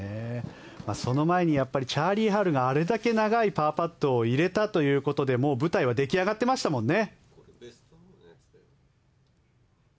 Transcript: その前にチャーリー・ハルがあれだけ長いパーパットを入れたということで舞台は出来上がってましたもんね。